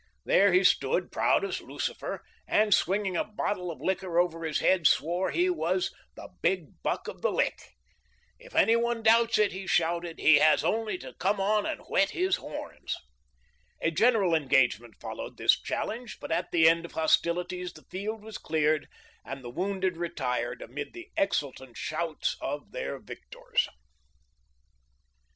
There he stood, proud as Lucifer, and swinging a bottle of liquor over his head swore he was ' the big buck of the lick.' ' If any one doubts it,' he shouted, ' he has only to come on and whet his horns.' " A general engagement followed this challenge, but at the end of hostilities the field was cleared and the wounded retired amid the exultant shouts of their victors.